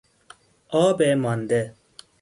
آب مانده